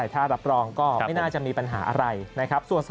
ถ้ารับรองก็ไม่น่าจะมีปัญหาอะไรนะครับ